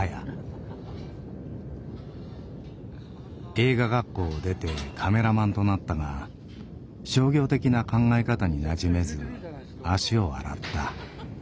映画学校を出てカメラマンとなったが商業的な考え方になじめず足を洗った。